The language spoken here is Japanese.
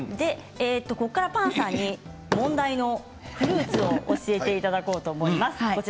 ここからパンさんに問題のフルーツを教えていただこうと思います。